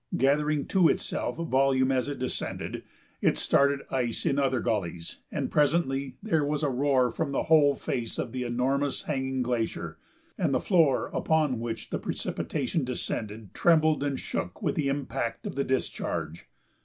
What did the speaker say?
Gathering to itself volume as it descended, it started ice in other gullies and presently there was a roar from the whole face of the enormous hanging glacier, and the floor upon which the precipitation descended trembled and shook with the impact of the discharge.